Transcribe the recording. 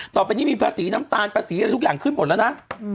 ต่อไปนี้มีภาษีน้ำตาลภาษีอะไรทุกอย่างขึ้นหมดแล้วนะ